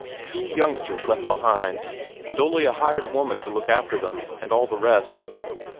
Two youngsters left behind, and only a hired woman to look after them, and all the rest.